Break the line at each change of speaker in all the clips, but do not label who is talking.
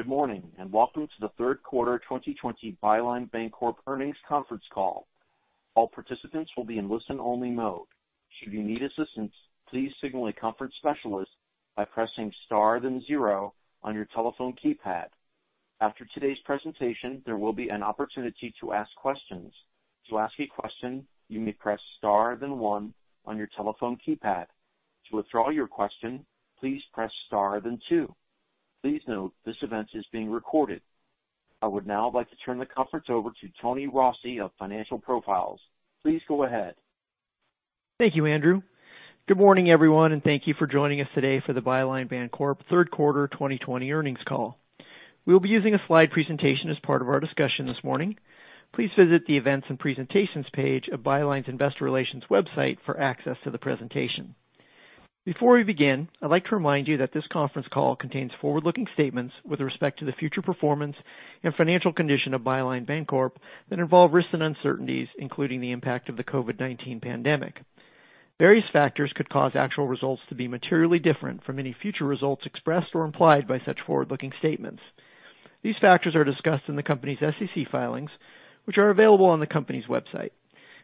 Good morning, welcome to the third quarter 2020 Byline Bancorp earnings conference call. All participants will be in listen-only mode. Should you need assistance, please signal a conference specialist by pressing star then zero on your telephone keypad. After today's presentation, there will be an opportunity to ask questions. To ask a question, you may press star then one on your telephone keypad. To withdraw your question, please press star then two. Please note this event is being recorded. I would now like to turn the conference over to Tony Rossi of Financial Profiles. Please go ahead.
Thank you, Andrew. Good morning, everyone, and thank you for joining us today for the Byline Bancorp third quarter 2020 earnings call. We'll be using a slide presentation as part of our discussion this morning. Please visit the Events and Presentations page of Byline's Investor Relations website for access to the presentation. Before we begin, I'd like to remind you that this conference call contains forward-looking statements with respect to the future performance and financial condition of Byline Bancorp that involve risks and uncertainties, including the impact of the COVID-19 pandemic. Various factors could cause actual results to be materially different from any future results expressed or implied by such forward-looking statements. These factors are discussed in the company's SEC filings, which are available on the company's website.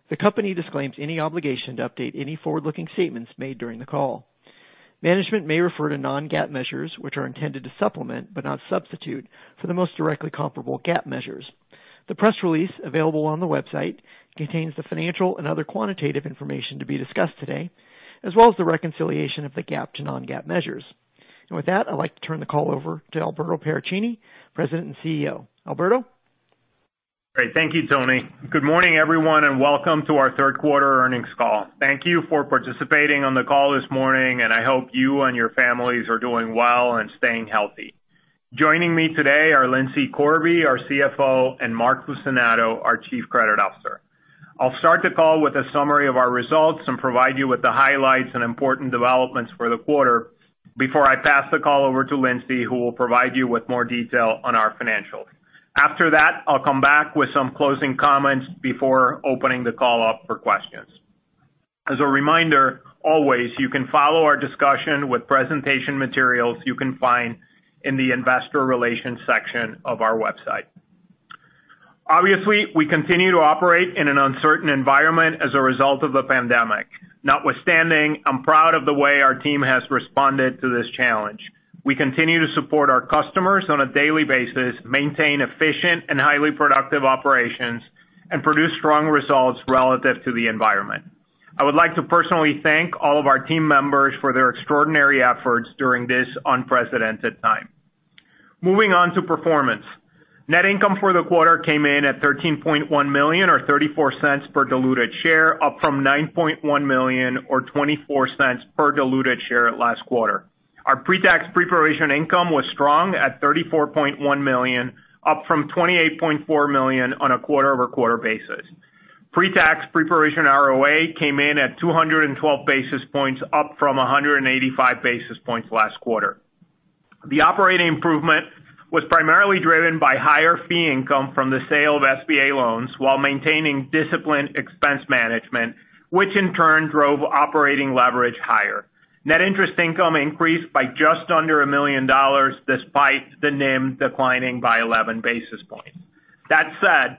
The company disclaims any obligation to update any forward-looking statements made during the call. Management may refer to non-GAAP measures, which are intended to supplement, but not substitute, for the most directly comparable GAAP measures. The press release available on the website contains the financial and other quantitative information to be discussed today, as well as the reconciliation of the GAAP to non-GAAP measures. With that, I'd like to turn the call over to Alberto Paracchini, President and CEO. Alberto?
Great. Thank you, Tony. Good morning, everyone, and welcome to our third quarter earnings call. Thank you for participating on the call this morning, and I hope you and your families are doing well and staying healthy. Joining me today are Lindsay Corby, our CFO, and Mark Fucinato, our Chief Credit Officer. I'll start the call with a summary of our results and provide you with the highlights and important developments for the quarter before I pass the call over to Lindsay, who will provide you with more detail on our financials. After that, I'll come back with some closing comments before opening the call up for questions. As a reminder, always, you can follow our discussion with presentation materials you can find in the investor relations section of our website. Obviously, we continue to operate in an uncertain environment as a result of the pandemic. Notwithstanding, I'm proud of the way our team has responded to this challenge. We continue to support our customers on a daily basis, maintain efficient and highly productive operations, and produce strong results relative to the environment. I would like to personally thank all of our team members for their extraordinary efforts during this unprecedented time. Moving on to performance. Net income for the quarter came in at $13.1 million, or $0.34 per diluted share, up from $9.1 million or $0.24 per diluted share last quarter. Our pre-tax pre-provision income was strong at $34.1 million, up from $28.4 million on a quarter-over-quarter basis. Pre-tax pre-provision ROA came in at 212 basis points, up from 185 basis points last quarter. The operating improvement was primarily driven by higher fee income from the sale of SBA loans while maintaining disciplined expense management, which in turn drove operating leverage higher. Net interest income increased by just under $1 million despite the NIM declining by 11 basis points. That said,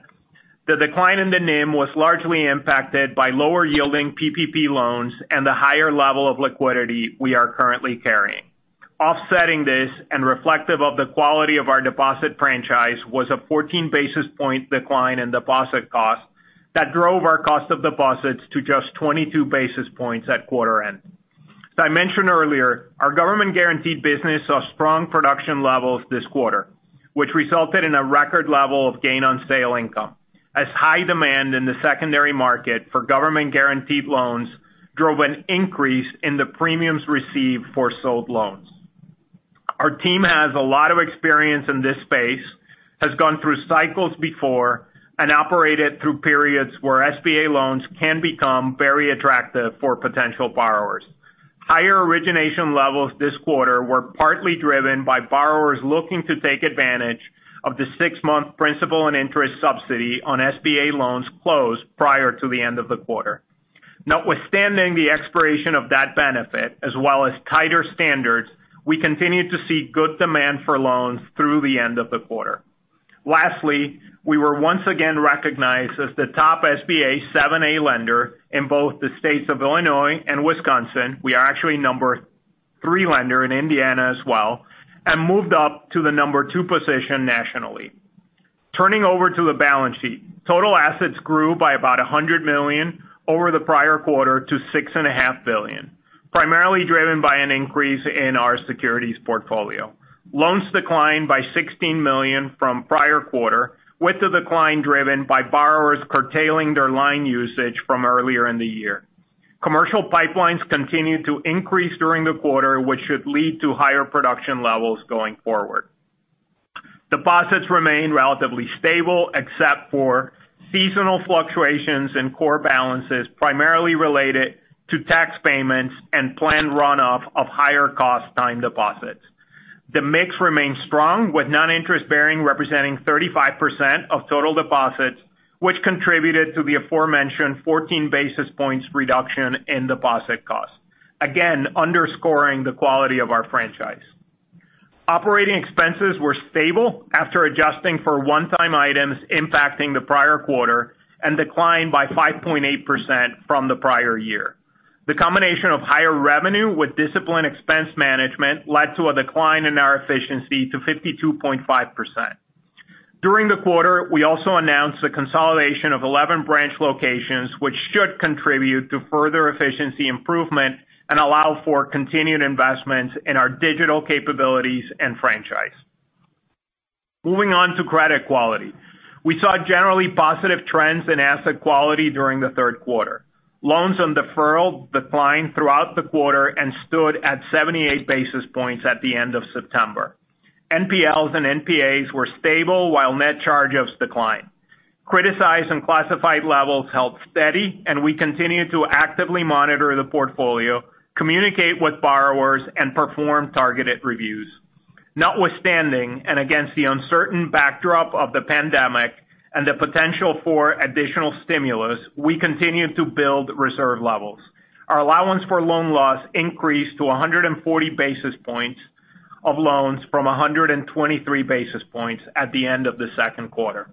the decline in the NIM was largely impacted by lower yielding PPP loans and the higher level of liquidity we are currently carrying. Offsetting this and reflective of the quality of our deposit franchise was a 14 basis point decline in deposit costs that drove our cost of deposits to just 22 basis points at quarter end. As I mentioned earlier, our government-guaranteed business saw strong production levels this quarter, which resulted in a record level of gain on sale income as high demand in the secondary market for government-guaranteed loans drove an increase in the premiums received for sold loans. Our team has a lot of experience in this space, has gone through cycles before, and operated through periods where SBA loans can become very attractive for potential borrowers. Higher origination levels this quarter were partly driven by borrowers looking to take advantage of the six-month principal and interest subsidy on SBA loans closed prior to the end of the quarter. Notwithstanding the expiration of that benefit, as well as tighter standards, we continue to see good demand for loans through the end of the quarter. Lastly, we were once again recognized as the top SBA 7(a) lender in both the states of Illinois and Wisconsin. We are actually number three lender in Indiana as well and moved up to the number two position nationally. Turning over to the balance sheet. Total assets grew by about $100 million over the prior quarter to $6.5 billion, primarily driven by an increase in our securities portfolio. Loans declined by $16 million from prior quarter with the decline driven by borrowers curtailing their line usage from earlier in the year. Commercial pipelines continued to increase during the quarter, which should lead to higher production levels going forward. Deposits remained relatively stable except for seasonal fluctuations in core balances primarily related to tax payments and planned runoff of higher cost time deposits. The mix remained strong with non-interest bearing representing 35% of total deposits, which contributed to the aforementioned 14 basis points reduction in deposit cost, again underscoring the quality of our franchise. Operating expenses were stable after adjusting for one-time items impacting the prior quarter, and declined by 5.8% from the prior year. The combination of higher revenue with disciplined expense management led to a decline in our efficiency to 52.5%. During the quarter, we also announced the consolidation of 11 branch locations, which should contribute to further efficiency improvement and allow for continued investments in our digital capabilities and franchise. Moving on to credit quality. We saw generally positive trends in asset quality during the third quarter. Loans on deferral declined throughout the quarter and stood at 78 basis points at the end of September. NPLs and NPAs were stable while net charge-offs declined. Criticized and classified levels held steady, and we continue to actively monitor the portfolio, communicate with borrowers, and perform targeted reviews. Notwithstanding and against the uncertain backdrop of the pandemic and the potential for additional stimulus, we continue to build reserve levels. Our allowance for loan loss increased to 140 basis points of loans from 123 basis points at the end of the second quarter.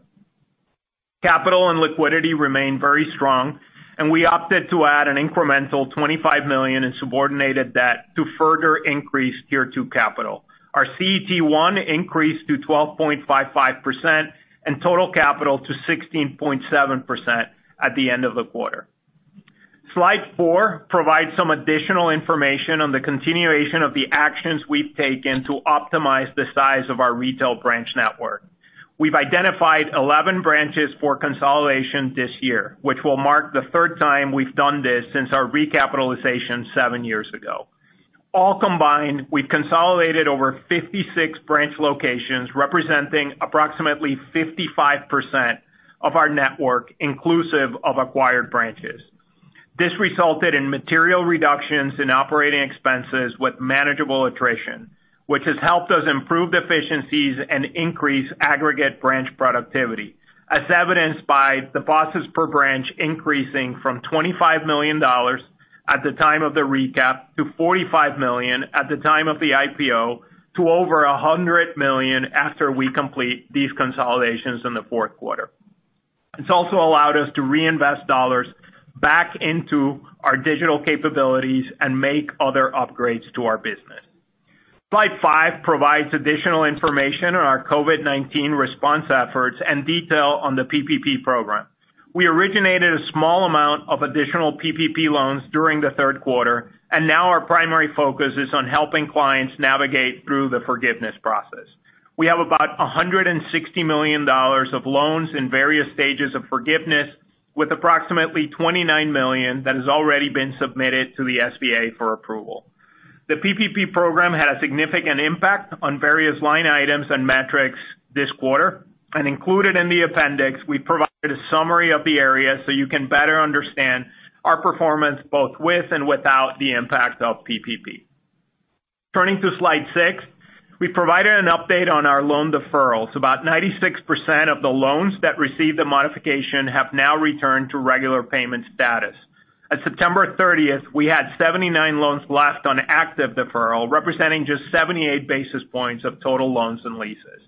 Capital and liquidity remain very strong, and we opted to add an incremental $25 million in subordinated debt to further increase Tier 2 capital. Our CET1 increased to 12.55%, and total capital to 16.7% at the end of the quarter. Slide four provides some additional information on the continuation of the actions we've taken to optimize the size of our retail branch network. We've identified 11 branches for consolidation this year, which will mark the third time we've done this since our recapitalization seven years ago. All combined, we've consolidated over 56 branch locations, representing approximately 55% of our network inclusive of acquired branches. This resulted in material reductions in operating expenses with manageable attrition, which has helped us improve efficiencies and increase aggregate branch productivity. As evidenced by deposits per branch increasing from $25 million at the time of the recap, to $45 million at the time of the IPO, to over $100 million after we complete these consolidations in the fourth quarter. It's also allowed us to reinvest dollars back into our digital capabilities and make other upgrades to our business. Slide five provides additional information on our COVID-19 response efforts and detail on the PPP program. We originated a small amount of additional PPP loans during the third quarter, and now our primary focus is on helping clients navigate through the forgiveness process. We have about $160 million of loans in various stages of forgiveness with approximately $29 million that has already been submitted to the SBA for approval. The PPP program had a significant impact on various line items and metrics this quarter, and included in the appendix, we provided a summary of the areas so you can better understand our performance both with and without the impact of PPP. Turning to slide six, we provided an update on our loan deferrals. About 96% of the loans that received a modification have now returned to regular payment status. At September 30th, we had 79 loans left on active deferral, representing just 78 basis points of total loans and leases.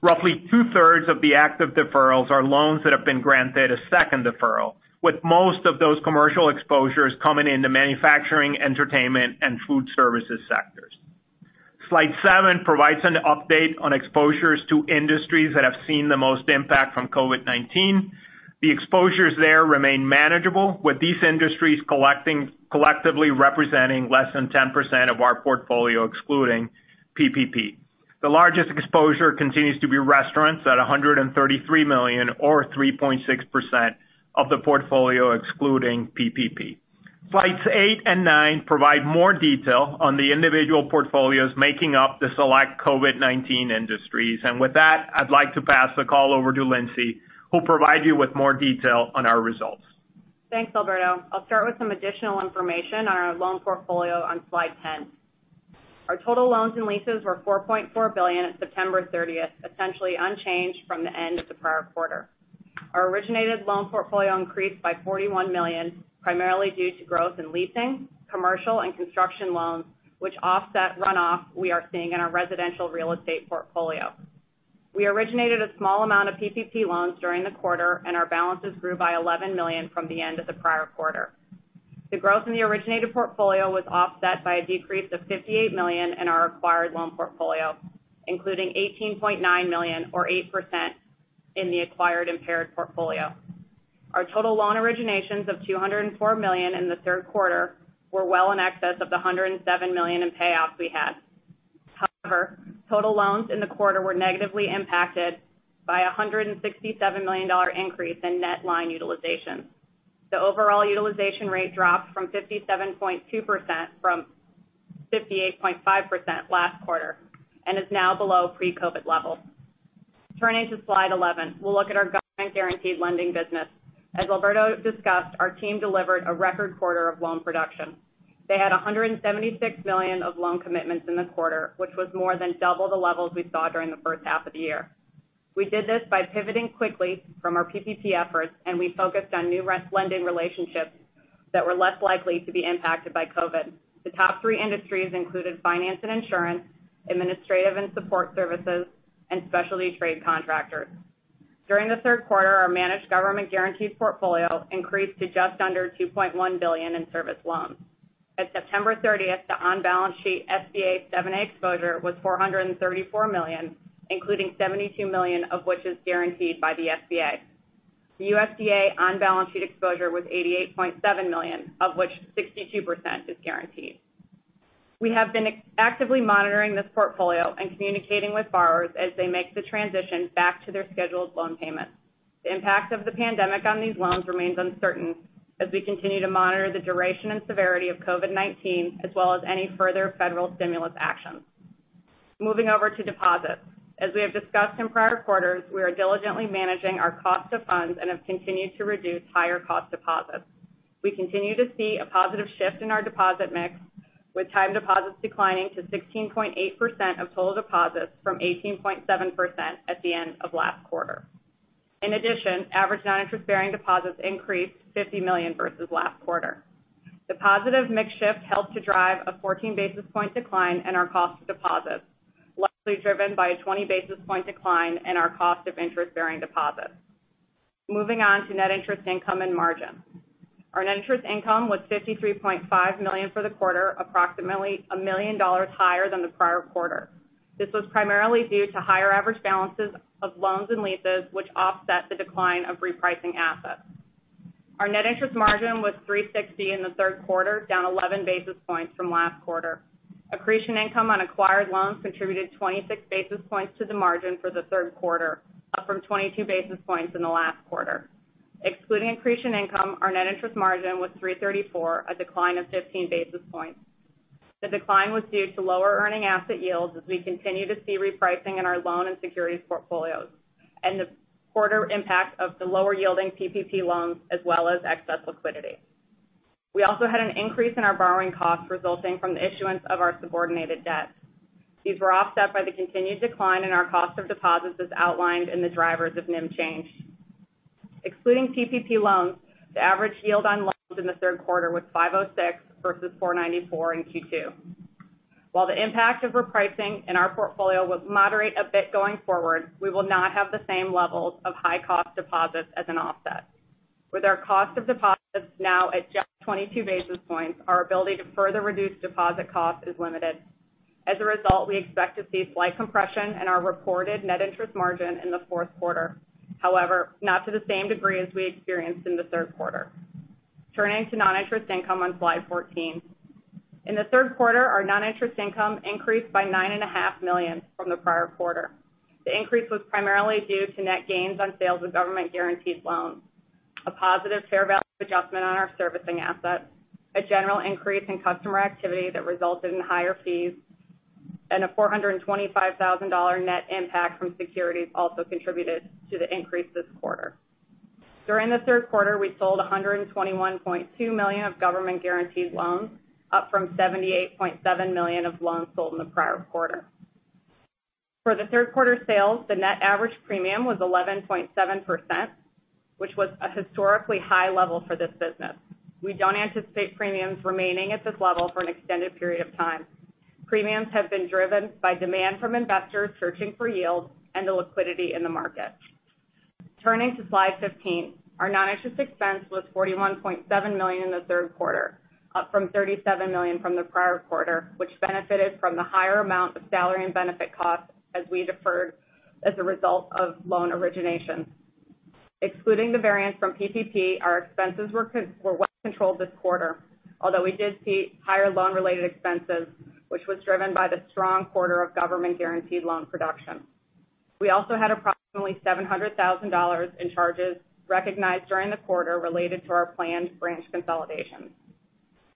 Roughly two-thirds of the active deferrals are loans that have been granted a second deferral, with most of those commercial exposures coming into manufacturing, entertainment, and food services sectors. Slide seven provides an update on exposures to industries that have seen the most impact from COVID-19. The exposures there remain manageable, with these industries collectively representing less than 10% of our portfolio excluding PPP. The largest exposure continues to be restaurants at $133 million or 3.6% of the portfolio excluding PPP. Slides eight and nine provide more detail on the individual portfolios making up the select COVID-19 industries. With that, I'd like to pass the call over to Lindsay, who'll provide you with more detail on our results.
Thanks, Alberto. I'll start with some additional information on our loan portfolio on slide 10. Our total loans and leases were $4.4 billion at September 30th, essentially unchanged from the end of the prior quarter. Our originated loan portfolio increased by $41 million, primarily due to growth in leasing, commercial, and construction loans, which offset runoff we are seeing in our residential real estate portfolio. We originated a small amount of PPP loans during the quarter. Our balances grew by $11 million from the end of the prior quarter. The growth in the originated portfolio was offset by a decrease of $58 million in our acquired loan portfolio, including $18.9 million or 8% in the acquired impaired portfolio. Our total loan originations of $204 million in the third quarter were well in excess of the $107 million in payoffs we had. Total loans in the quarter were negatively impacted by a $167 million increase in net line utilization. The overall utilization rate dropped from 57.2% from 58.5% last quarter, and is now below pre-COVID levels. Turning to slide 11. We'll look at our government guaranteed lending business. As Alberto discussed, our team delivered a record quarter of loan production. They had $176 million of loan commitments in the quarter, which was more than double the levels we saw during the first half of the year. We did this by pivoting quickly from our PPP efforts, and we focused on new lending relationships that were less likely to be impacted by COVID. The top three industries included finance and insurance, administrative and support services, and specialty trade contractors. During the third quarter, our managed government guarantees portfolio increased to just under $2.1 billion in serviced loans. At September 30th, the on-balance sheet SBA 7(a) exposure was $434 million, including $72 million of which is guaranteed by the SBA. The USDA on-balance sheet exposure was $88.7 million, of which 62% is guaranteed. We have been actively monitoring this portfolio and communicating with borrowers as they make the transition back to their scheduled loan payments. The impact of the pandemic on these loans remains uncertain as we continue to monitor the duration and severity of COVID-19, as well as any further federal stimulus actions. Moving over to deposits. As we have discussed in prior quarters, we are diligently managing our cost of funds and have continued to reduce higher cost deposits. We continue to see a positive shift in our deposit mix, with time deposits declining to 16.8% of total deposits from 18.7% at the end of last quarter. In addition, average non-interest bearing deposits increased $50 million versus last quarter. The positive mix shift helped to drive a 14-basis point decline in our cost of deposits, largely driven by a 20-basis point decline in our cost of interest-bearing deposits. Moving on to net interest income and margin. Our net interest income was $53.5 million for the quarter, approximately $1 million higher than the prior quarter. This was primarily due to higher average balances of loans and leases, which offset the decline of repricing assets. Our net interest margin was 3.60% in the third quarter, down 11 basis points from last quarter. Accretion income on acquired loans contributed 26 basis points to the margin for the third quarter, up from 22 basis points in the last quarter. Excluding accretion income, our net interest margin was 3.34%, a decline of 15 basis points. The decline was due to lower earning asset yields as we continue to see repricing in our loan and securities portfolios and the quarter impact of the lower yielding PPP loans as well as excess liquidity. We also had an increase in our borrowing costs resulting from the issuance of our subordinated debt. These were offset by the continued decline in our cost of deposits as outlined in the drivers of NIM change. Excluding PPP loans, the average yield on loans in the third quarter was 5.06% versus 4.94% in Q2. While the impact of repricing in our portfolio will moderate a bit going forward, we will not have the same levels of high-cost deposits as an offset. With our cost of deposits now at just 22 basis points, our ability to further reduce deposit cost is limited. As a result, we expect to see slight compression in our reported net interest margin in the fourth quarter. Not to the same degree as we experienced in the third quarter. Turning to non-interest income on slide 14. In the third quarter, our non-interest income increased by $9.5 million from the prior quarter. The increase was primarily due to net gains on sales of government guaranteed loans, a positive fair value adjustment on our servicing assets, a general increase in customer activity that resulted in higher fees, and a $425,000 net impact from securities also contributed to the increase this quarter. During the third quarter, we sold $121.2 million of government guaranteed loans, up from $78.7 million of loans sold in the prior quarter. For the third quarter sales, the net average premium was 11.7%, which was a historically high level for this business. We don't anticipate premiums remaining at this level for an extended period of time. Premiums have been driven by demand from investors searching for yield and the liquidity in the market. Turning to slide 15. Our non-interest expense was $41.7 million in the third quarter, up from $37 million from the prior quarter, which benefited from the higher amount of salary and benefit costs as we deferred as a result of loan origination. Excluding the variance from PPP, our expenses were well controlled this quarter, although we did see higher loan-related expenses, which was driven by the strong quarter of government guaranteed loan production. We also had approximately $700,000 in charges recognized during the quarter related to our planned branch consolidations.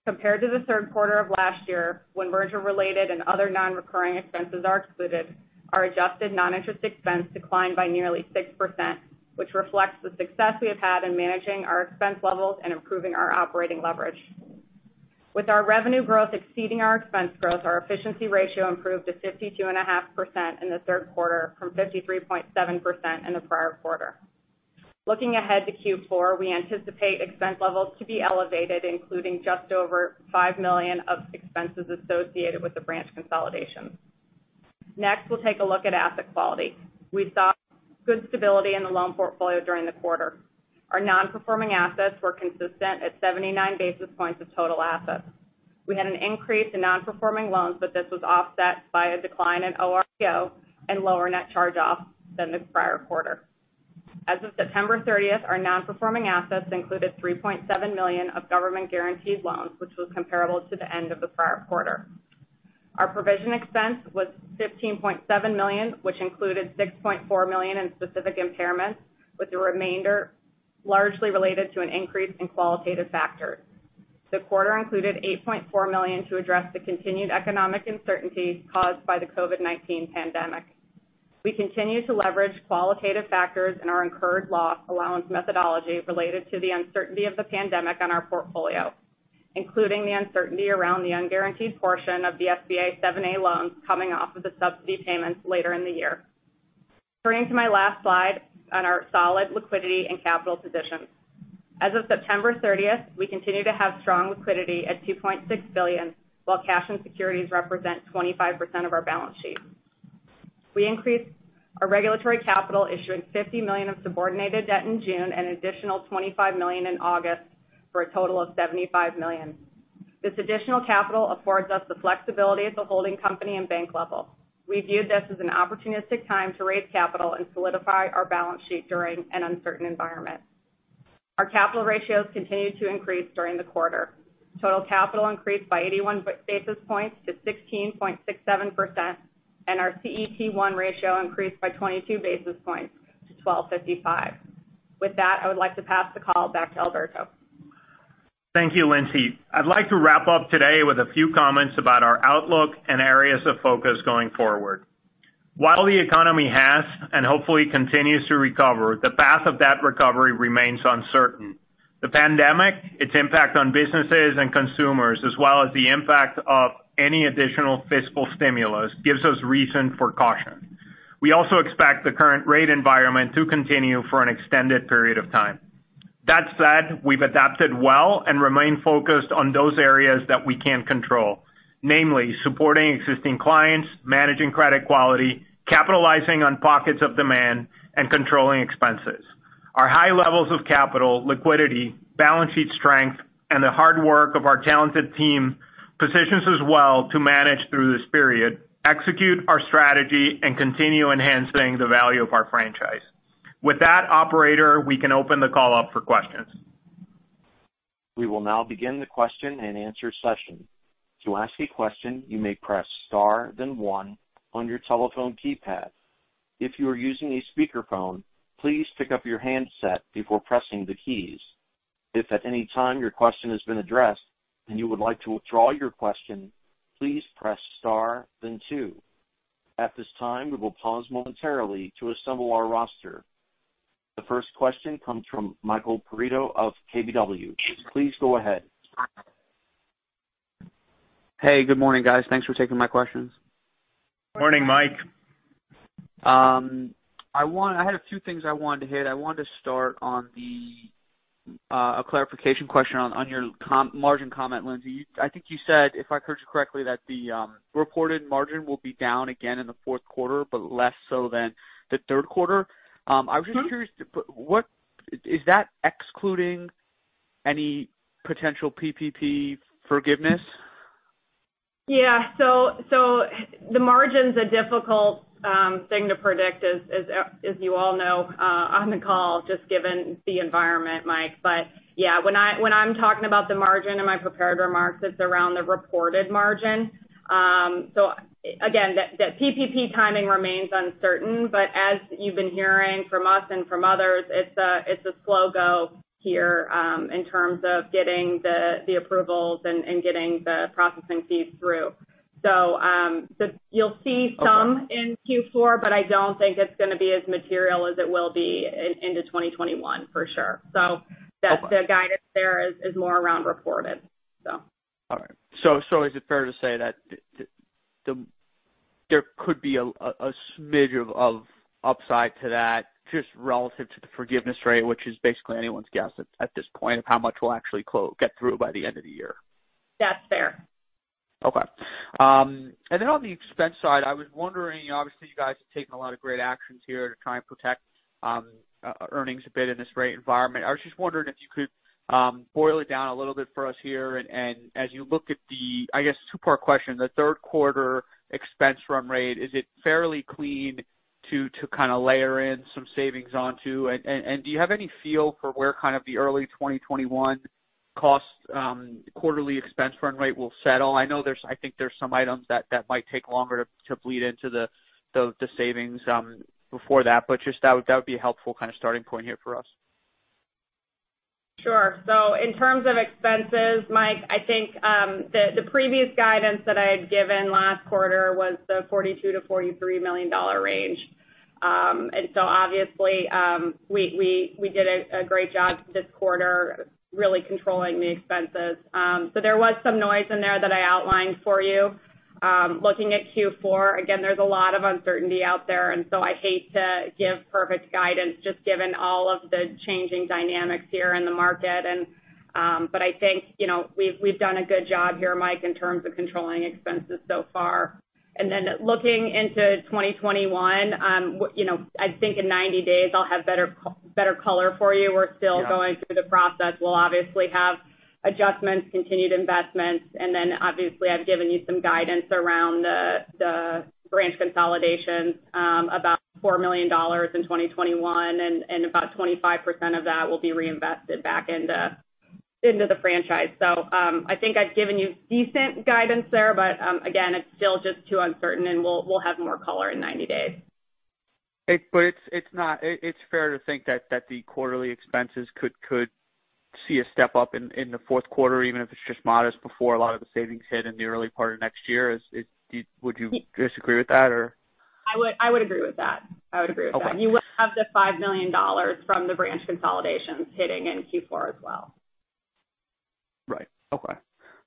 Compared to the third quarter of last year, when merger-related and other non-recurring expenses are excluded, our adjusted non-interest expense declined by nearly 6%, which reflects the success we have had in managing our expense levels and improving our operating leverage. With our revenue growth exceeding our expense growth, our efficiency ratio improved to 52.5% in the third quarter from 53.7% in the prior quarter. Looking ahead to Q4, we anticipate expense levels to be elevated, including just over $5 million of expenses associated with the branch consolidations. Next, we'll take a look at asset quality. We saw good stability in the loan portfolio during the quarter. Our non-performing assets were consistent at 79 basis points of total assets. We had an increase in non-performing loans, but this was offset by a decline in OREO and lower net charge-offs than the prior quarter. As of September 30th, our non-performing assets included $3.7 million of government guaranteed loans, which was comparable to the end of the prior quarter. Our provision expense was $15.7 million, which included $6.4 million in specific impairments, with the remainder largely related to an increase in qualitative factors. The quarter included $8.4 million to address the continued economic uncertainty caused by the COVID-19 pandemic. We continue to leverage qualitative factors in our incurred loss allowance methodology related to the uncertainty of the pandemic on our portfolio, including the uncertainty around the unguaranteed portion of the SBA 7(a) loans coming off of the subsidy payments later in the year. Turning to my last slide on our solid liquidity and capital position. As of September 30th, we continue to have strong liquidity at $2.6 billion, while cash and securities represent 25% of our balance sheet. We increased our regulatory capital issuing $50 million of subordinated debt in June and an additional $25 million in August for a total of $75 million. This additional capital affords us the flexibility at the holding company and bank level. We viewed this as an opportunistic time to raise capital and solidify our balance sheet during an uncertain environment. Our capital ratios continued to increase during the quarter. Total capital increased by 81 basis points to 16.67%, and our CET1 ratio increased by 22 basis points to 12.55%. With that, I would like to pass the call back to Alberto.
Thank you, Lindsay. I'd like to wrap up today with a few comments about our outlook and areas of focus going forward. While the economy has, and hopefully continues to recover, the path of that recovery remains uncertain. The pandemic, its impact on businesses and consumers, as well as the impact of any additional fiscal stimulus, gives us reason for caution. We also expect the current rate environment to continue for an extended period of time. That said, we've adapted well and remain focused on those areas that we can control, namely supporting existing clients, managing credit quality, capitalizing on pockets of demand, and controlling expenses. Our high levels of capital, liquidity, balance sheet strength, and the hard work of our talented team positions us well to manage through this period, execute our strategy, and continue enhancing the value of our franchise. With that, operator, we can open the call up for questions.
We will now begin the question-and-answer session. To ask you a question, you may press star then one on your telephone keypad. If you are using a speakerphone, please pick up your handset before pressing the keys. If at any time your question has been addressed and you would like to withdraw your question, please press star then two. At this time, we will pause momentarily to assemble our roster. The first question comes from Michael Perito of KBW. Please go ahead.
Hey, good morning, guys. Thanks for taking my questions.
Morning, Mike.
I had a few things I wanted to hit. I wanted to start on a clarification question on your margin comment, Lindsay. I think you said, if I heard you correctly, that the reported margin will be down again in the fourth quarter, but less so than the third quarter. I was just curious, is that excluding any potential PPP forgiveness?
Yeah. The margin's a difficult thing to predict, as you all know on the call, just given the environment, Mike. Yeah, when I'm talking about the margin in my prepared remarks, it's around the reported margin. Again, the PPP timing remains uncertain. As you've been hearing from us and from others, it's a slow go here in terms of getting the approvals and getting the processing fees through. You'll see some in Q4, but I don't think it's going to be as material as it will be into 2021 for sure. The guidance there is more around reported.
All right. Is it fair to say that there could be a smidge of upside to that, just relative to the forgiveness rate, which is basically anyone's guess at this point of how much we'll actually get through by the end of the year?
That's fair.
Okay. On the expense side, I was wondering, obviously, you guys have taken a lot of great actions here to try and protect earnings a bit in this rate environment. I was just wondering if you could boil it down a little bit for us here. I guess two-part question. The third quarter expense run rate, is it fairly clean to kind of layer in some savings onto? Do you have any feel for where kind of the early 2021 cost quarterly expense run rate will settle? I think there's some items that might take longer to bleed into the savings before that. That would be a helpful kind of starting point here for us.
Sure. In terms of expenses, Mike, I think the previous guidance that I had given last quarter was the $42 million-$43 million range. Obviously, we did a great job this quarter really controlling the expenses. There was some noise in there that I outlined for you. Looking at Q4, again, there's a lot of uncertainty out there, I hate to give perfect guidance just given all of the changing dynamics here in the market. I think we've done a good job here, Mike, in terms of controlling expenses so far. Looking into 2021, I think in 90 days I'll have better color for you. We're still going through the process. We'll obviously have adjustments, continued investments, and then obviously I've given you some guidance around the branch consolidations, about $4 million in 2021, and about 25% of that will be reinvested back into the franchise. I think I've given you decent guidance there, but again, it's still just too uncertain, and we'll have more color in 90 days.
It's fair to think that the quarterly expenses could see a step up in the fourth quarter, even if it's just modest before a lot of the savings hit in the early part of next year. Would you disagree with that, or?
I would agree with that.
Okay.
You would have the $5 million from the branch consolidations hitting in Q4 as well.
Right. Okay.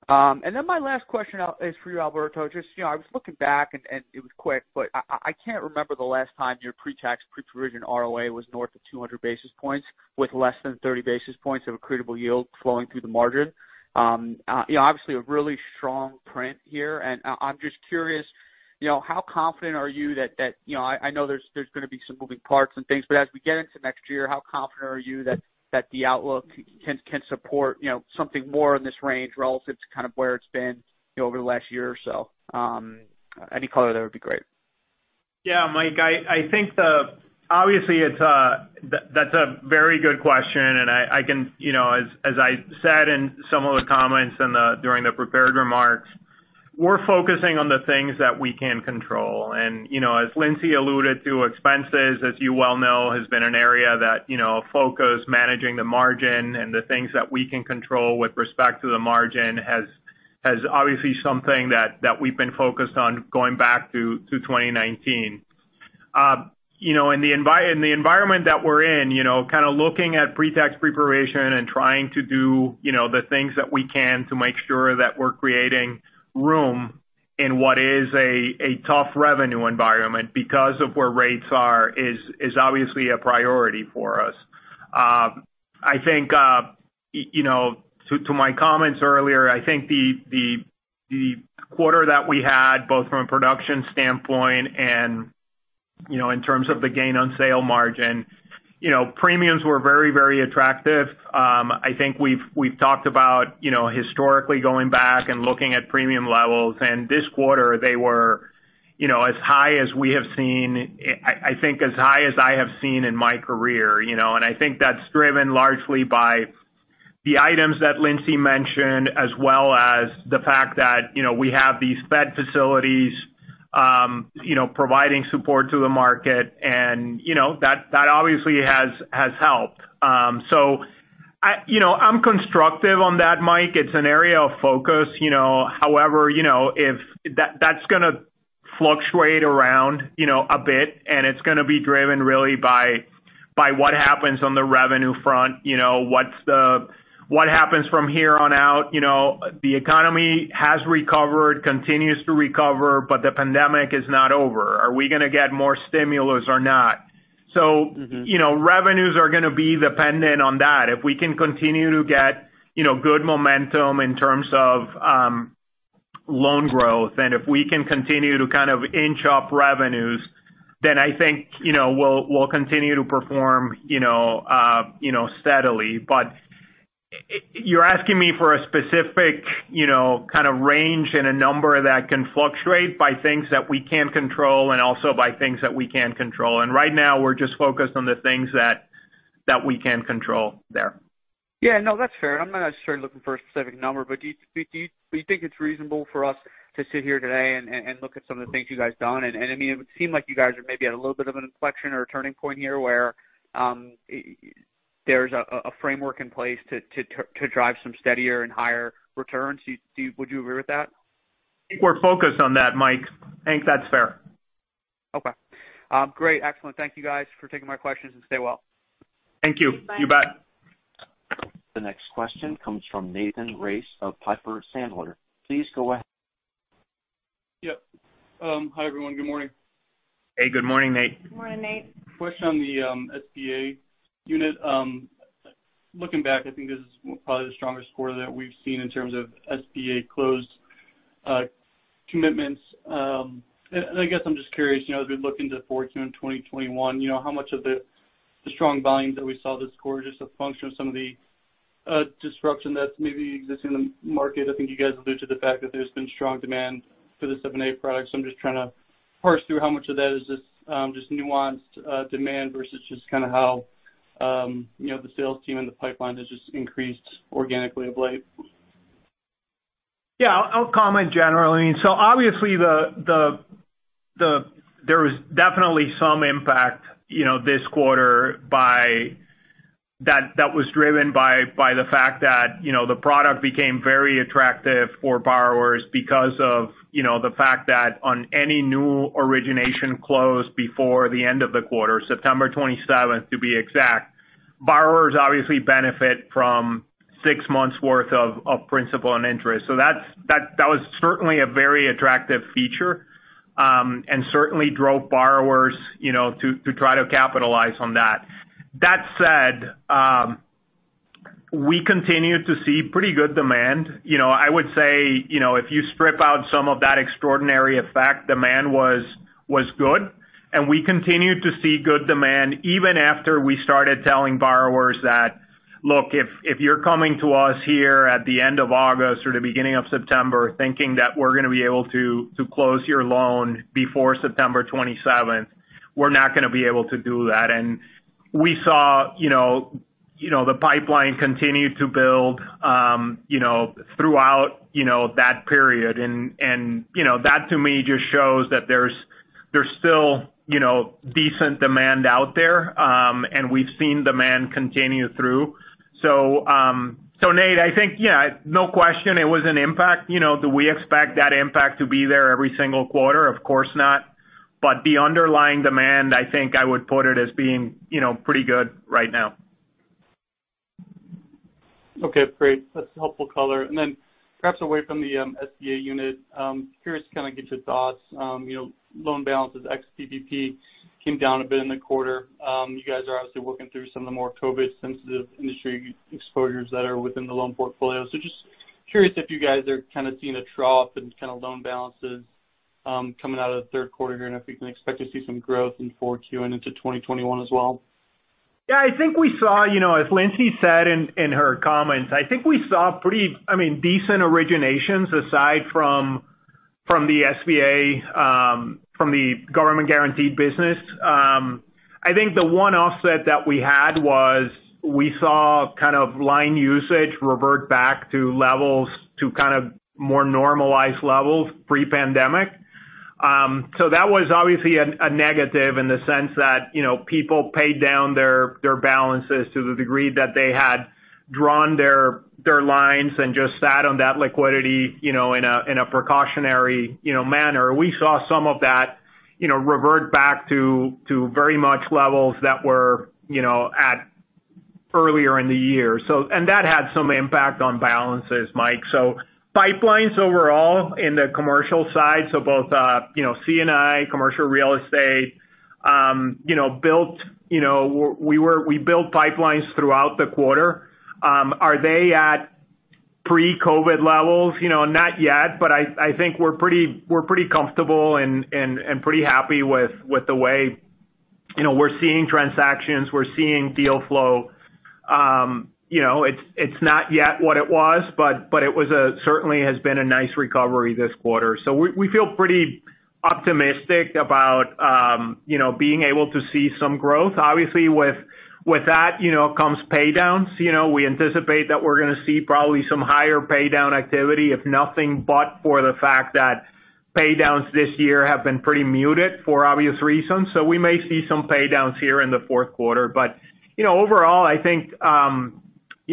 My last question is for you, Alberto. I was looking back, and it was quick, but I can't remember the last time your pre-tax pre-provision ROA was north of 200 basis points with less than 30 basis points of accretable yield flowing through the margin. Obviously, a really strong print here. I'm just curious, how confident are you that I know there's going to be some moving parts and things, as we get into next year, how confident are you that the outlook can support something more in this range relative to where it's been over the last year or so? Any color there would be great.
Yeah. Mike, obviously that's a very good question. As I said in some of the comments during the prepared remarks, we're focusing on the things that we can control. As Lindsay alluded to, expenses, as you well know, has been an area that focus managing the margin and the things that we can control with respect to the margin has obviously something that we've been focused on going back to 2019. In the environment that we're in, kind of looking at pre-tax pre-provision and trying to do the things that we can to make sure that we're creating room in what is a tough revenue environment because of where rates are is obviously a priority for us. To my comments earlier, I think the quarter that we had both from a production standpoint and in terms of the gain on sale margin, premiums were very attractive. I think we've talked about historically going back and looking at premium levels, and this quarter they were as high as we have seen, I think as high as I have seen in my career. I think that's driven largely by the items that Lindsay mentioned, as well as the fact that we have these Fed facilities providing support to the market, and that obviously has helped. I'm constructive on that, Mike. It's an area of focus. However, that's going to fluctuate around a bit and it's going to be driven really by what happens on the revenue front. What happens from here on out. The economy has recovered, continues to recover, but the pandemic is not over. Are we going to get more stimulus or not? Revenues are going to be dependent on that. If we can continue to get good momentum in terms of loan growth, and if we can continue to kind of inch up revenues, then I think we'll continue to perform steadily. You're asking me for a specific kind of range and a number that can fluctuate by things that we can't control and also by things that we can control. Right now we're just focused on the things that we can control there.
Yeah. No, that's fair. I'm not necessarily looking for a specific number, but do you think it's reasonable for us to sit here today and look at some of the things you guys done? It would seem like you guys are maybe at a little bit of an inflection or a turning point here where there's a framework in place to drive some steadier and higher returns. Would you agree with that?
I think we're focused on that, Mike. I think that's fair.
Okay. Great. Excellent. Thank you guys for taking my questions. Stay well.
Thank you.
Thanks.
You bet.
The next question comes from Nathan Race of Piper Sandler. Please go ahead.
Yep. Hi, everyone. Good morning.
Hey, good morning, Nate.
Good morning, Nate.
Question on the SBA unit. Looking back, I think this is probably the strongest quarter that we've seen in terms of SBA closed commitments. I guess I'm just curious, as we look into 4Q in 2021, how much of the strong volumes that we saw this quarter is just a function of some of the disruption that's maybe existing in the market? I think you guys alluded to the fact that there's been strong demand for the 7(a) product. I'm just trying to parse through how much of that is just nuanced demand versus just kind of how the sales team and the pipeline has just increased organically of late.
Yeah, I'll comment generally. Obviously there was definitely some impact this quarter that was driven by the fact that the product became very attractive for borrowers because of the fact that on any new origination closed before the end of the quarter, September 27th to be exact, borrowers obviously benefit from six months' worth of principal and interest. That was certainly a very attractive feature, and certainly drove borrowers to try to capitalize on that. That said, we continue to see pretty good demand. I would say if you strip out some of that extraordinary effect, demand was good. We continued to see good demand even after we started telling borrowers that, Look, if you're coming to us here at the end of August or the beginning of September thinking that we're going to be able to close your loan before September 27th, we're not going to be able to do that. We saw the pipeline continue to build throughout that period. That to me just shows that there's still decent demand out there. We've seen demand continue through. Nate, I think, yeah, no question it was an impact. Do we expect that impact to be there every single quarter? Of course not. The underlying demand, I think I would put it as being pretty good right now.
Okay, great. That's helpful color. Perhaps away from the SBA unit. Curious to kind of get your thoughts. Loan balances, ex-PPP, came down a bit in the quarter. You guys are obviously working through some of the more COVID-sensitive industry exposures that are within the loan portfolio. Curious if you guys are kind of seeing a trough in loan balances coming out of the third quarter here, and if we can expect to see some growth in 4Q and into 2021 as well.
Yeah, as Lindsay said in her comments, I think we saw pretty decent originations aside from the SBA, from the government-guaranteed business. I think the one offset that we had was we saw kind of line usage revert back to kind of more normalized levels pre-pandemic. That was obviously a negative in the sense that people paid down their balances to the degree that they had drawn their lines and just sat on that liquidity in a precautionary manner. We saw some of that revert back to very much levels that were at earlier in the year. That had some impact on balances, Mike. Pipelines overall in the commercial side, so both C&I, commercial real estate. We built pipelines throughout the quarter. Are they at pre-COVID levels? Not yet, I think we're pretty comfortable and pretty happy with the way we're seeing transactions, we're seeing deal flow. It's not yet what it was, it certainly has been a nice recovery this quarter. We feel pretty optimistic about being able to see some growth. Obviously, with that comes pay-downs. We anticipate that we're going to see probably some higher pay-down activity, if nothing but for the fact that pay-downs this year have been pretty muted for obvious reasons. We may see some pay-downs here in the fourth quarter. Overall, I think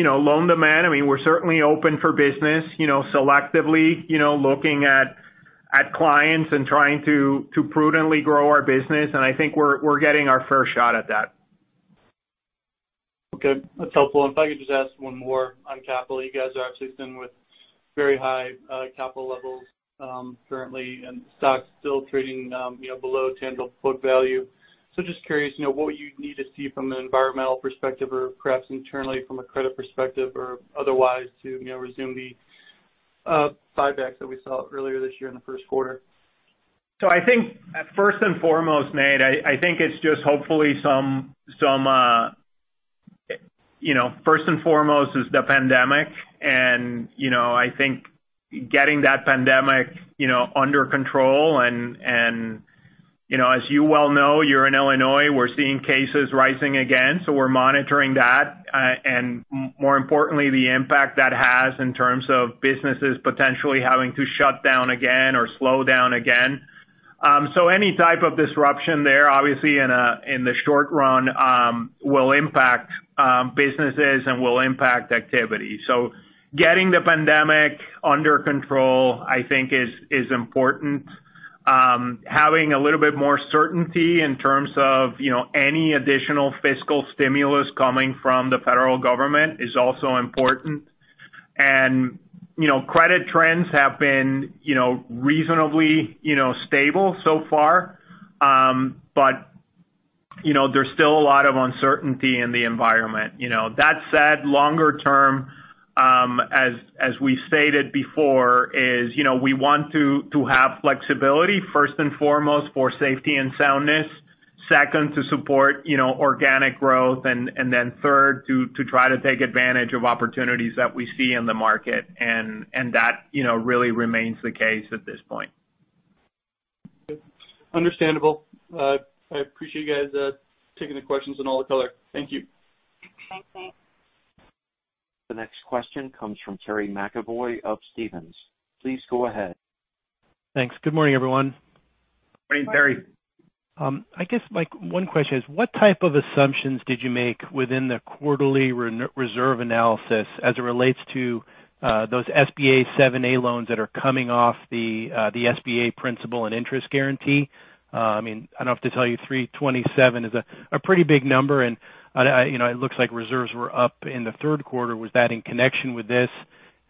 loan demand, we're certainly open for business. Selectively looking at clients and trying to prudently grow our business, and I think we're getting our fair shot at that.
Okay. That's helpful. And if I could just ask one more on capital. You guys are sitting with very high capital levels currently, and stock still trading below tangible book value. Just curious what you need to see from an environmental perspective or perhaps internally from a credit perspective or otherwise to resume the buybacks that we saw earlier this year in the first quarter.
I think first and foremost, Nate, first and foremost is the pandemic. I think getting that pandemic under control and as you well know, you're in Illinois, we're seeing cases rising again. We're monitoring that. More importantly, the impact that has in terms of businesses potentially having to shut down again or slow down again. Any type of disruption there, obviously in the short run will impact businesses and will impact activity. Getting the pandemic under control, I think is important. Having a little bit more certainty in terms of any additional fiscal stimulus coming from the federal government is also important. Credit trends have been reasonably stable so far. There's still a lot of uncertainty in the environment. That said, longer term as we stated before, is we want to have flexibility, first and foremost, for safety and soundness. Second, to support organic growth. Third, to try to take advantage of opportunities that we see in the market. That really remains the case at this point.
Understandable. I appreciate you guys taking the questions and all the color. Thank you.
Thanks, Nate.
The next question comes from Terry McEvoy of Stephens. Please go ahead.
Thanks. Good morning, everyone.
Morning, Terry.
I guess my one question is, what type of assumptions did you make within the quarterly reserve analysis as it relates to those SBA 7(a) loans that are coming off the SBA principal and interest guarantee? I don't have to tell you $327 million is a pretty big number, and it looks like reserves were up in the third quarter. Was that in connection with this?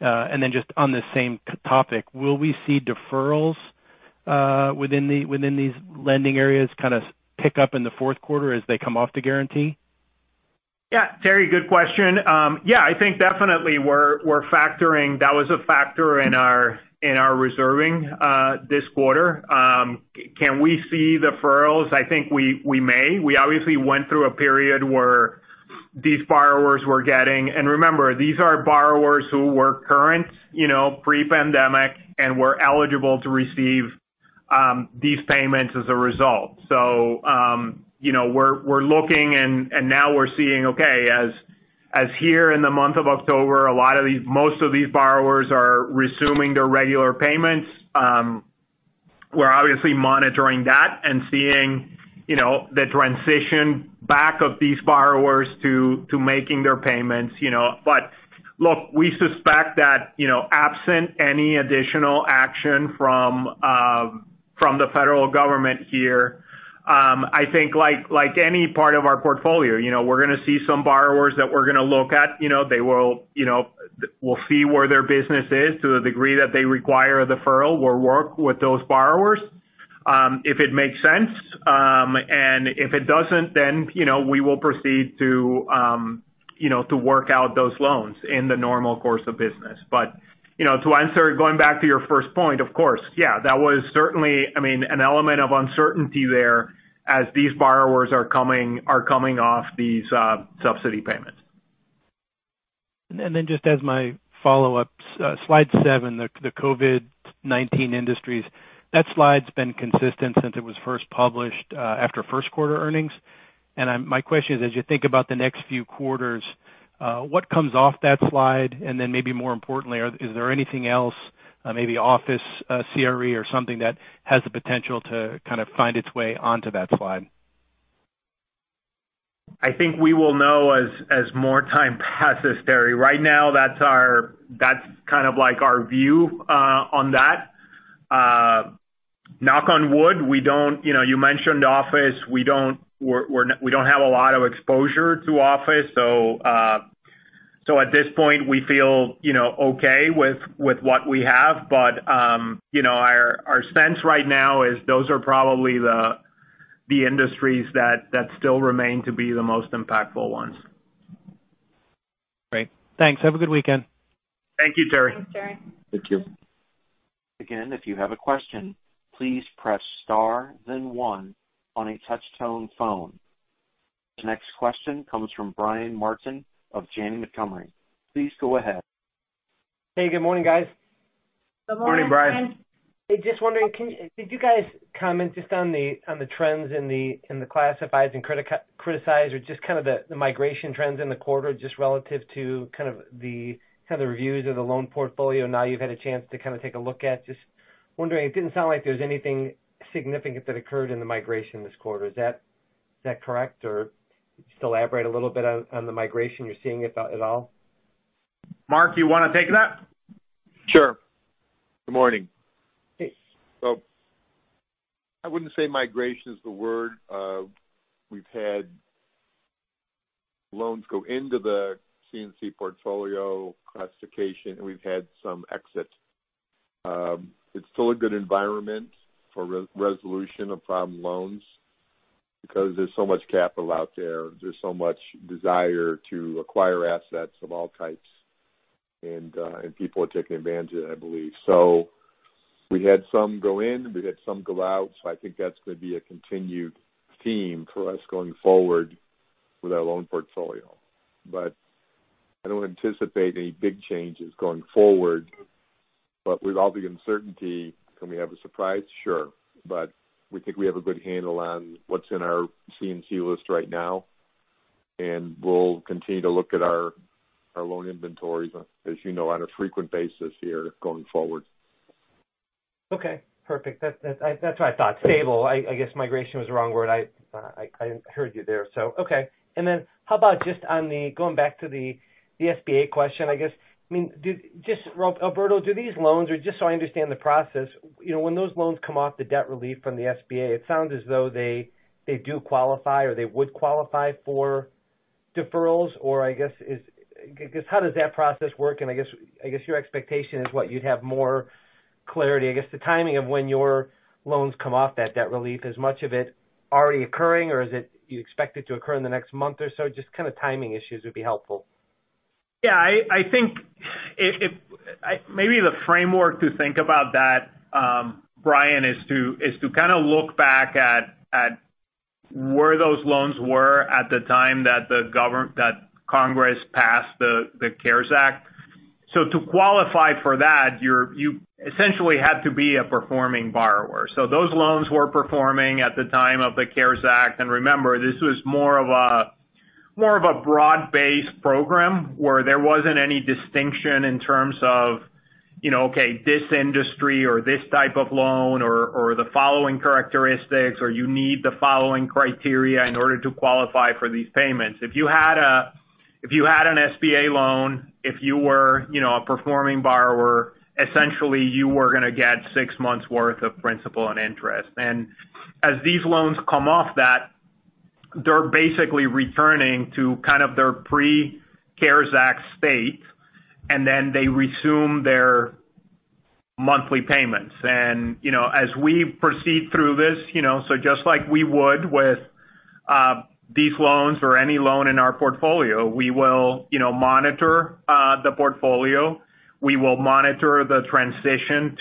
Just on the same topic, will we see deferrals within these lending areas kind of pick up in the fourth quarter as they come off the guarantee?
Terry, good question. I think definitely that was a factor in our reserving this quarter. Can we see deferrals? I think we may. We obviously went through a period where these borrowers were getting, and remember, these are borrowers who were current pre-pandemic and were eligible to receive these payments as a result. We're looking and now we're seeing, okay, as here in the month of October, most of these borrowers are resuming their regular payments. We're obviously monitoring that and seeing the transition back of these borrowers to making their payments. Look, we suspect that, absent any additional action from the federal government here, I think like any part of our portfolio, we're going to see some borrowers that we're going to look at. We'll see where their business is to the degree that they require a deferral. We'll work with those borrowers if it makes sense. If it doesn't, then we will proceed to work out those loans in the normal course of business. To answer, going back to your first point, of course, yeah, that was certainly an element of uncertainty there as these borrowers are coming off these subsidy payments.
Just as my follow-up, slide seven, the COVID-19 industries. That slide's been consistent since it was first published after first quarter earnings. My question is, as you think about the next few quarters, what comes off that slide? Maybe more importantly, is there anything else, maybe office CRE or something that has the potential to kind of find its way onto that slide?
I think we will know as more time passes, Terry. Right now, that's kind of like our view on that. Knock on wood, you mentioned office. We don't have a lot of exposure to office. At this point, we feel okay with what we have. Our sense right now is those are probably the industries that still remain to be the most impactful ones.
Great. Thanks. Have a good weekend.
Thank you, Terry.
Thanks, Terry.
Thank you.
Again, if you have a question, please press star then one on your touch-tone phone. The next question comes from Brian Martin of Janney Montgomery. Please go ahead.
Hey, good morning, guys.
Good morning, Brian.
Morning, Brian.
Just wondering, could you guys comment just on the trends in the classifieds and criticized or just kind of the migration trends in the quarter, just relative to kind of the reviews of the loan portfolio now you've had a chance to kind of take a look at? Just wondering, it didn't sound like there's anything significant that occurred in the migration this quarter. Is that correct, or could you just elaborate a little bit on the migration you're seeing at all?
Mark, you want to take that?
Sure. Good morning.
Hey.
I wouldn't say migration is the word. We've had loans go into the C&C portfolio classification, and we've had some exit. It's still a good environment for resolution of problem loans because there's so much capital out there. There's so much desire to acquire assets of all types, and people are taking advantage of it, I believe. We had some go in and we had some go out. I think that's going to be a continued theme for us going forward with our loan portfolio. I don't anticipate any big changes going forward. With all the uncertainty, can we have a surprise? Sure. We think we have a good handle on what's in our C&C list right now, and we'll continue to look at our loan inventories, as you know, on a frequent basis here going forward.
Okay, perfect. That's what I thought. Stable. I guess migration was the wrong word. I heard you there. Okay. How about just going back to the SBA question, I guess. Alberto, do these loans, or just so I understand the process, when those loans come off the debt relief from the SBA, it sounds as though they do qualify, or they would qualify for deferrals, or I guess, how does that process work? I guess your expectation is what? You'd have more clarity, I guess the timing of when your loans come off that debt relief. Is much of it already occurring, or you expect it to occur in the next month or so? Just kind of timing issues would be helpful.
Yeah, I think maybe the framework to think about that, Brian, is to kind of look back at where those loans were at the time that Congress passed the CARES Act. To qualify for that, you essentially had to be a performing borrower. Those loans were performing at the time of the CARES Act, and remember, this was more of a broad-based program where there wasn't any distinction in terms of, okay, this industry or this type of loan or the following characteristics, or you need the following criteria in order to qualify for these payments. If you had an SBA loan, if you were a performing borrower, essentially you were going to get six months worth of principal and interest. As these loans come off that, they're basically returning to kind of their pre-CARES Act state, and then they resume their monthly payments. As we proceed through this, just like we would with these loans or any loan in our portfolio, we will monitor the portfolio. We will monitor the transition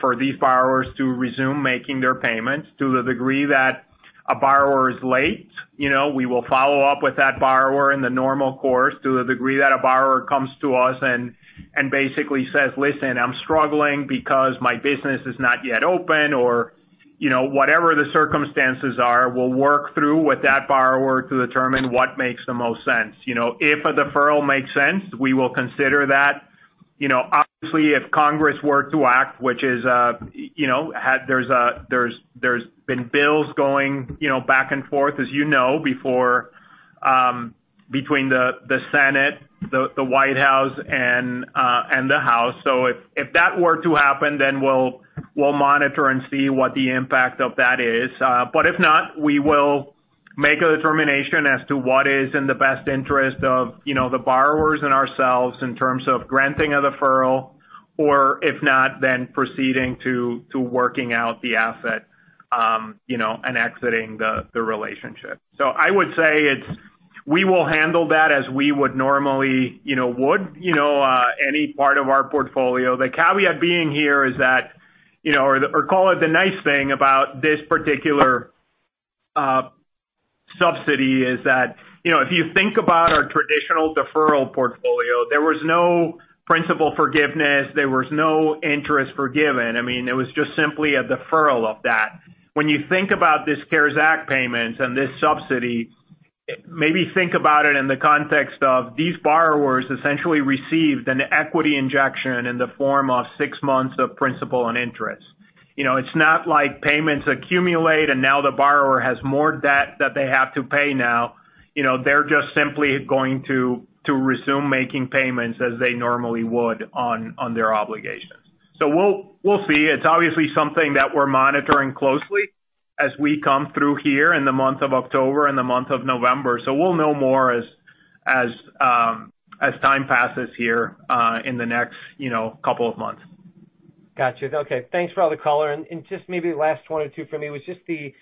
for these borrowers to resume making their payments to the degree that a borrower is late. We will follow up with that borrower in the normal course to the degree that a borrower comes to us and basically says, Listen, I'm struggling because my business is not yet open, or whatever the circumstances are, we'll work through with that borrower to determine what makes the most sense. If a deferral makes sense, we will consider that. Obviously, if Congress were to act, which there's been bills going back and forth, as you know, between the Senate, the White House, and the House. If that were to happen, we'll monitor and see what the impact of that is. If not, we will make a determination as to what is in the best interest of the borrowers and ourselves in terms of granting a deferral. If not, proceeding to working out the asset and exiting the relationship. I would say, we will handle that as we would normally would any part of our portfolio. The caveat being here or call it the nice thing about this particular subsidy is that, if you think about our traditional deferral portfolio, there was no principal forgiveness. There was no interest forgiven. It was just simply a deferral of that. When you think about this CARES Act payment and this subsidy, maybe think about it in the context of these borrowers essentially received an equity injection in the form of six months of principal and interest. It's not like payments accumulate and now the borrower has more debt that they have to pay now. They're just simply going to resume making payments as they normally would on their obligations. We'll see. It's obviously something that we're monitoring closely as we come through here in the month of October and the month of November. We'll know more as time passes here in the next couple of months.
Got you. Okay. Thanks for all the color. Just maybe last one or two for me was just the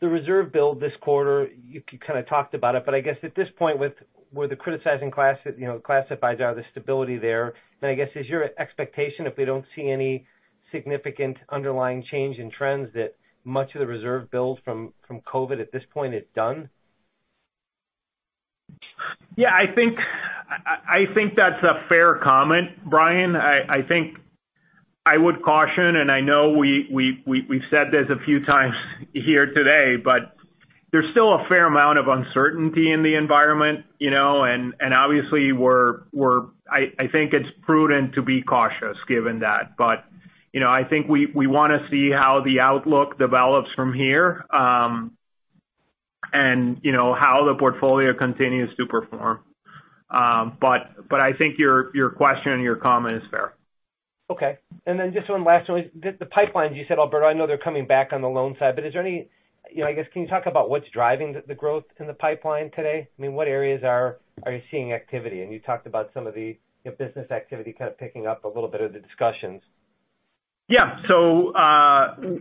reserve build this quarter. You kind of talked about it, but I guess at this point with the criticized and classifieds are the stability there. I guess, is your expectation if we don't see any significant underlying change in trends that much of the reserve build from COVID at this point is done?
Yeah, I think that's a fair comment, Brian. I think I would caution, and I know we've said this a few times here today, but there's still a fair amount of uncertainty in the environment. Obviously, I think it's prudent to be cautious given that. I think we want to see how the outlook develops from here and how the portfolio continues to perform. I think your question and your comment is fair.
Okay. Then just one last one. The pipelines you said, Alberto, I know they're coming back on the loan side. I guess, can you talk about what's driving the growth in the pipeline today? What areas are you seeing activity? You talked about some of the business activity kind of picking up a little bit of the discussions.
Yeah.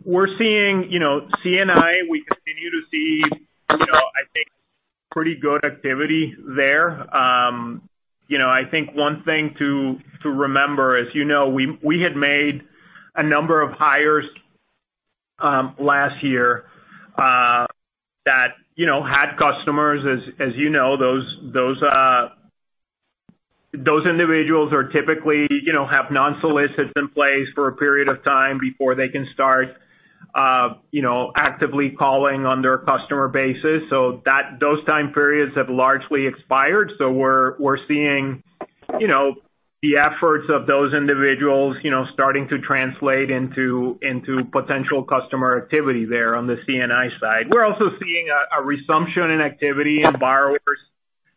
We're seeing C&I. We continue to see I think pretty good activity there. I think one thing to remember is we had made a number of hires last year that had customers. As you know, those individuals typically have non-solicits in place for a period of time before they can start actively calling on their customer bases. Those time periods have largely expired. We're seeing the efforts of those individuals starting to translate into potential customer activity there on the C&I side. We're also seeing a resumption in activity in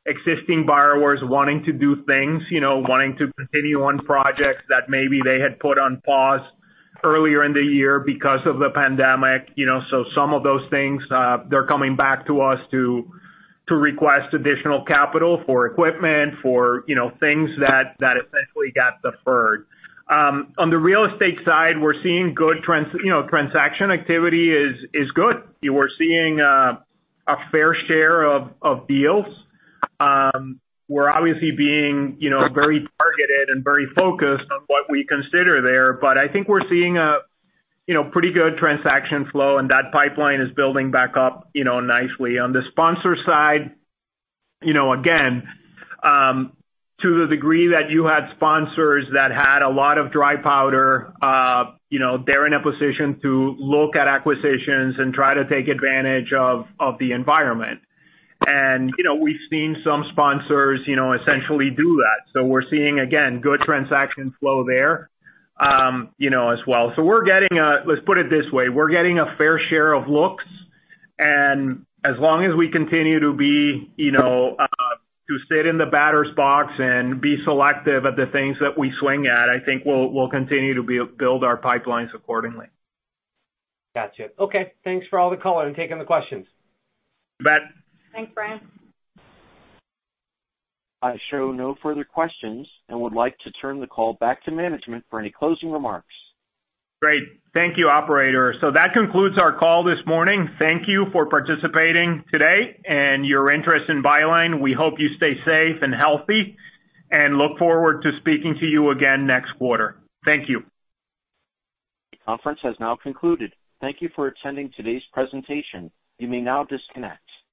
existing borrowers wanting to do things, wanting to continue on projects that maybe they had put on pause earlier in the year because of the pandemic. Some of those things, they're coming back to us to request additional capital for equipment, for things that essentially got deferred. On the real estate side, transaction activity is good. We're seeing a fair share of deals. We're obviously being very targeted and very focused on what we consider there. I think we're seeing a pretty good transaction flow, and that pipeline is building back up nicely. On the sponsor side, again, to the degree that you had sponsors that had a lot of dry powder, they're in a position to look at acquisitions and try to take advantage of the environment. We've seen some sponsors essentially do that. We're seeing, again, good transaction flow there as well. Let's put it this way. We're getting a fair share of looks, and as long as we continue to sit in the batter's box and be selective at the things that we swing at, I think we'll continue to build our pipelines accordingly.
Got you. Okay. Thanks for all the color and taking the questions.
You bet.
Thanks, Brian.
I show no further questions and would like to turn the call back to management for any closing remarks.
Great. Thank you, operator. That concludes our call this morning. Thank you for participating today and your interest in Byline. We hope you stay safe and healthy and look forward to speaking to you again next quarter. Thank you.
Conference has now concluded. Thank you for attending today's presentation. You may now disconnect.